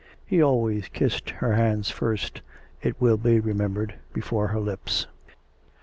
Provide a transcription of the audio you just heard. (He always kissed her hands first, it will be remembered, before her lips.)